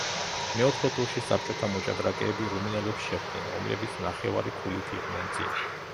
მეოთხე ტურში საბჭოთა მოჭდრაკეები რუმინელებს შეხვდნენ, რომლებიც ნახევარი ქულით იყვნენ წინ.